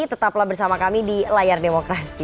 tetaplah bersama kami di layar demokrasi